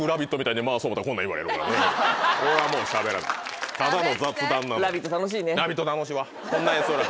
俺はもうしゃべらないただの雑談なんで。